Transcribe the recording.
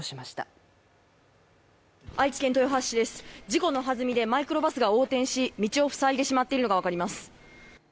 事故の弾みでマイクロバスが横転し、道を塞いでしまっているのが分かります。